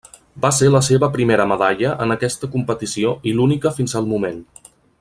Va ser la seva primera medalla en aquesta competició i l'única fins al moment.